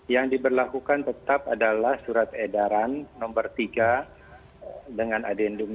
yang diberlakukan tetap adalah surat edaran nomor tiga dengan adendum